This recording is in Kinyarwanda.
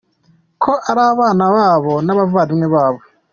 Ko ari abana babo n’abavandimwe babo?